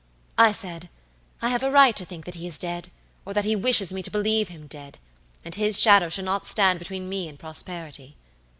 "I said 'I have a right to think that he is dead, or that he wishes me to believe him dead, and his shadow shall not stand between me and prosperity.'